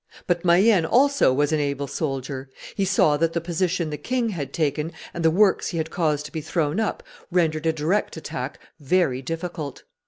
But Mayenne also was an able soldier: he saw that the position the king had taken and the works he had caused to be thrown up rendered a direct attack very difficult.